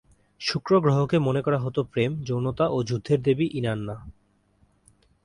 শুক্র গ্রহকে মনে করা হত প্রেম, যৌনতা ও যুদ্ধের দেবী ইনান্না।